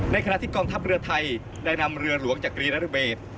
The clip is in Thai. ขณะที่กองทัพเรือไทยได้นำเรือหลวงจักรีนรเบศ